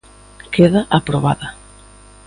Queda aprobada.